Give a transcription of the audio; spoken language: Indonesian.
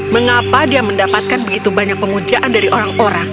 mengapa dia mendapatkan begitu banyak pemujaan dari orang orang